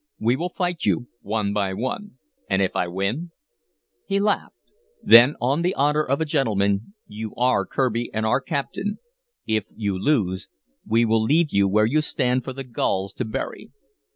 We will fight you, one by one." "And if I win?" He laughed. "Then, on the honor of a gentleman, you are Kirby and our captain. If you lose, we will leave you where you stand for the gulls to bury."